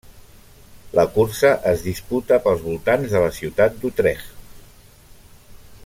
La cursa es disputa pels voltants de la ciutat d'Utrecht.